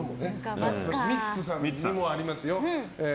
そしてミッツさんのもありますよ。